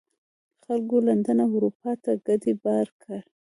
خلکو لندن او اروپا ته کډې بار کړې.